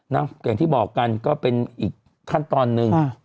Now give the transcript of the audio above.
อย่างที่บอกกันก็เป็นอีกขั้นตอนหนึ่ง